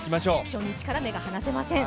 初日から目が離せません。